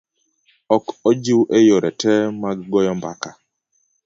Ok ojiw e yore te mag goyo mbaka.